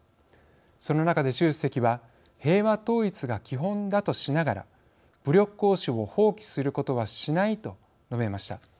その中で習主席は平和統一が基本だとしながら「武力行使を放棄することはしない」と述べました。